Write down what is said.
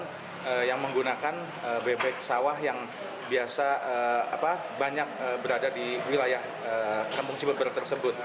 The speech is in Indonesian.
dan yang menggunakan bebek sawah yang biasa banyak berada di wilayah kampung cibabel tersebut